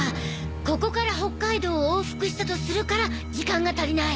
ここから北海道を往復したとするから時間が足りない。